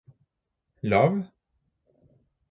lav